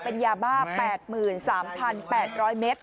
เป็นยาบ้า๘๓๘๐๐เมตร